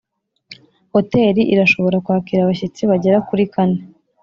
hoteli irashobora kwakira abashyitsi bagera kuri kane